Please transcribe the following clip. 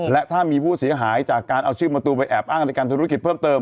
และถ้ามีผู้เสียหายจากการเอาชื่อประตูไปแอบอ้างในการธุรกิจเพิ่มเติม